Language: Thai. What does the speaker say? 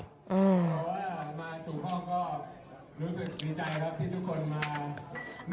อืม